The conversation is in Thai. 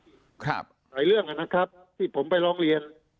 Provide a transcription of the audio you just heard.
หลายเรื่องนะครับที่ผมไปร้องเรียน